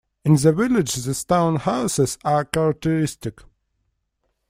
In the village the stone houses are characteristic.